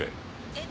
えっ？